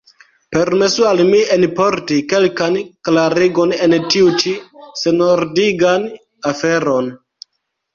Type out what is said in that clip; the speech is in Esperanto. Permesu al mi enporti kelkan klarigon en tiun ĉi senordigitan aferon.